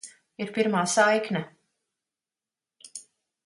Ir pirmā saikne.